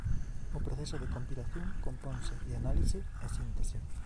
O proceso de compilación componse de análise e síntese.